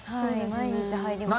毎日入りますね。